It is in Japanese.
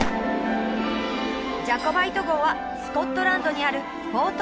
ジャコバイト号はスコットランドにあるフォート